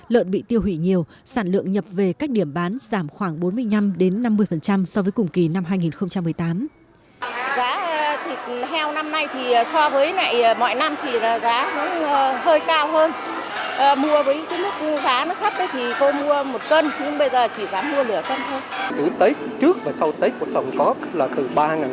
lợn bị tiêu hủy nhiều sản lượng nhập về các điểm bán giảm khoảng bốn mươi năm năm mươi so với cùng kỳ năm hai nghìn một mươi tám